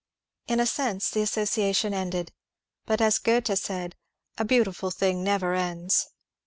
In a sense the association ended. But as Goethe said, ^^ a beautiful thing never ends."